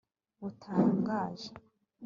butangaje